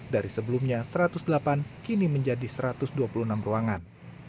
dari sebelumnya satu ratus delapan kini menjadi satu ratus dua puluh enam ruangan